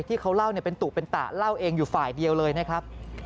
ที่เขาเล่าเนี่ยเป็นตุเป็นตะเล่าเองอยู่ฝ่ายเดียวเลยนะครับ